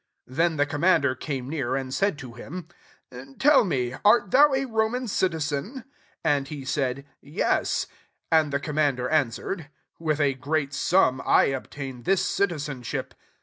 ^^ 27 Then the commander came near, and said to him, ^ Tell me, Art thou a Roman citizen .?" And he said, *' Yes." 28 And the commander answered, <* With a great sum I obtained this citi zenship.